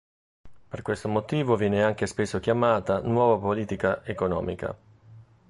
Per questo motivo viene anche spesso chiamata "nuova politica economica".